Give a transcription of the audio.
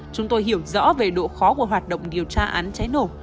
chúng tôi hiểu rõ về độ khó của hoạt động điều tra án cháy nổ